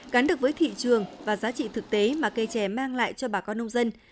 gắn được với thị trường và giá trị thực tế mà cây trẻ mang lại cho bà con nông dân